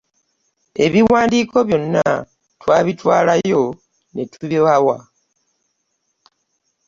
Ebiwandiiko byonna twabitwalayo ne tubibawa.